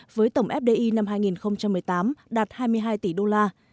với tổng fdi năm hai nghìn một mươi tám đạt hai mươi hai tỷ đô la